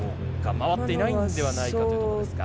回っていないんではないかということですか？